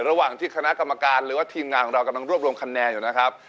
ระหว่างที่คณะกรรมการหรือว่าทีมงานของเรากำลังรวบรวมคะแนนอยู่นะครับ